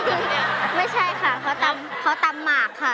ไม่ใช่ค่ะเขาตำหมากค่ะ